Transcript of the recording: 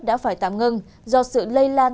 đã phải tạm ngưng do sự lây lan